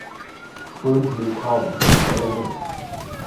Freund knew Collin from the Royal Mint.